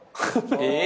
えっ？